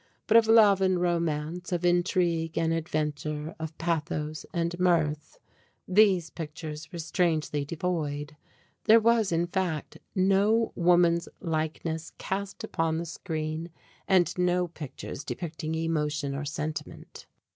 But of love and romance, of intrigue and adventure, of pathos and mirth, these pictures were strangely devoid, there was, in fact, no woman's likeness cast upon the screen and no pictures depicting emotion or sentiment.